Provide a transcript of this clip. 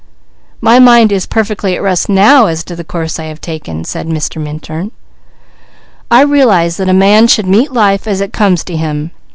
"My mind is 'perfectly at rest now as to the course I have taken,'" said Mr. Minturn. "I realize that a man should meet life as it comes to him.